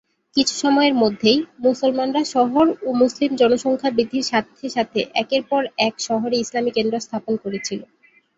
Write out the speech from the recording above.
কিছু সময়ের মধ্যেই, মুসলমানরা শহর ও মুসলিম জনসংখ্যা বৃদ্ধির সাথে সাথে একের পর এক শহরে ইসলামি কেন্দ্র স্থাপন করেছিল।